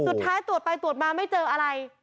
สุดท้ายตรวจไปตรวจมาไม่เจออะไร